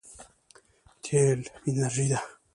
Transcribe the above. تېل انرژي ده.